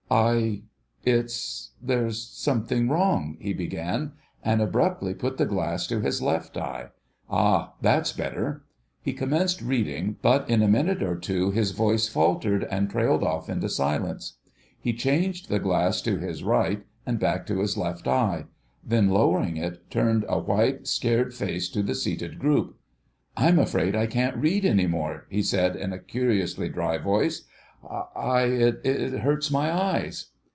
"I—it's—there's something wrong—" he began, and abruptly put the glass to his left eye. "Ah, that's better...." He commenced reading, but in a minute or two his voice faltered and trailed off into silence. He changed the glass to his right, and back to his left eye. Then, lowering it, turned a white scared face to the seated group. "I'm afraid I can't read any more," he said in a curiously dry voice; "I—it hurts my eyes."